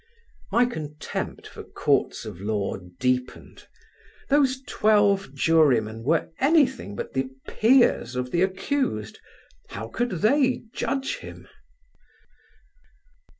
My contempt for Courts of law deepened: those twelve jurymen were anything but the peers of the accused: how could they judge him?